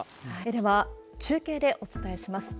では、中継でお伝えします。